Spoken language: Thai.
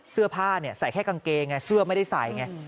เสื้อผ้าใส่แค่กางเกงเสื้อไม่ได้ใส่ไง